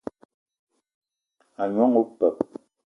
A gnong opeup